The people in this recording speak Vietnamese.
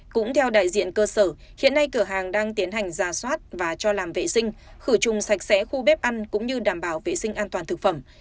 cũng theo đại diện cơ sở hiện nay cửa hàng đang tiến hành ra soát và cho làm vệ sinh khử trùng sạch sẽ khu bếp ăn cũng như đảm bảo vệ sinh an toàn thực phẩm